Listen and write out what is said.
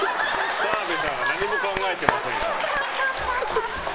澤部さんは何も考えてませんよ。